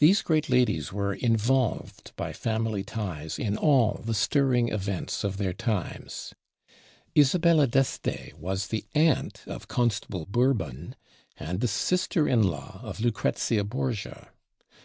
These great ladies were involved by family ties in all the stirring events of their times. Isabella d'Este was the aunt of Constable Bourbon and the sister in law of Lucrezia Borgia.